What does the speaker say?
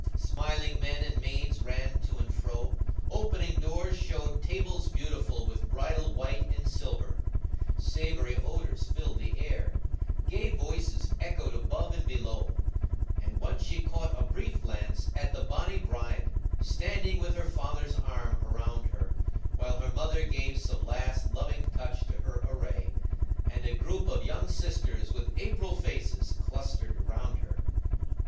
Smiling men and maids ran to and fro; opening doors showed tables beautiful with bridal white and silver; savory odors filled the air; gay voices echoed above and below; and once she caught a brief glance at the bonny bride, standing with her father's arm about her, while her mother gave some last, loving touch to her array; and a group of young sisters with April faces clustered round her.